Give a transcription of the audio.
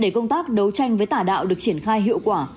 để công tác đấu tranh với tả đạo được triển khai hiệu quả